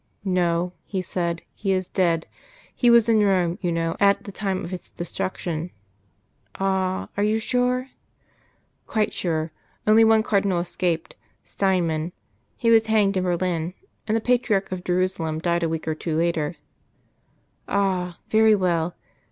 "No," he said. "He is dead. He was in Rome, you know, at the time of its destruction." "Ah! You are sure?" "Quite sure. Only one Cardinal escaped Steinmann. He was hanged in Berlin; and the Patriarch of Jerusalem died a week or two later." "Ah! very well.